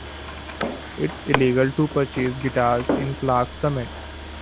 It's illegal to purchase guitars in Clarks Summit.